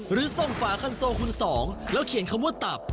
หรือส่งฝาคันโซคุณสองแล้วเขียนคำว่าตับ